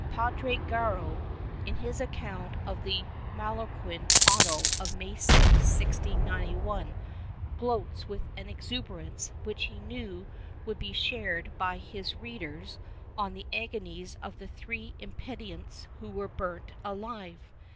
Padre Garau, in his account of the Mallorquin auto of May 6, 1691, gloats with an exuberance, which he knew would be shared by his readers, on the agonies pf the three impenitents who were burnt alive.